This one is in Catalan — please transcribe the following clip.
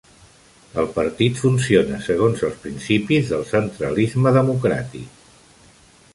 El partit funciona segons els principis del centralisme democràtic.